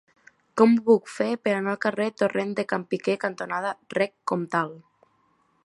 Com ho puc fer per anar al carrer Torrent de Can Piquer cantonada Rec Comtal?